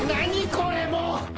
これもう！